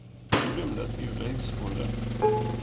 Du glömde att bjuda husbonden.